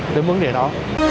đến mức này đó